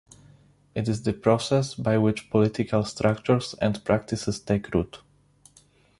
It is the process by which political structures and practices take root.